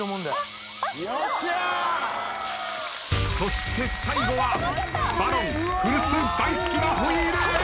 そして最後はバロン古巣大好きなホイールへ。